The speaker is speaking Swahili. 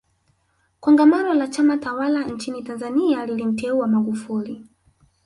kongamano la chama tawala nchini tanzania lilimteua magufuli